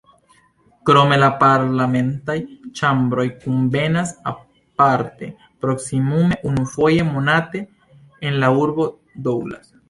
Krome la parlamentaj ĉambroj kunvenas aparte, proksimume unufoje monate, en la urbo Douglas.